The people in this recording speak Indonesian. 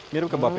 mirip kebab ya